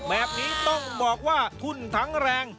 แบบนี้ต้องบอกว่าทุ่นทั้งแรง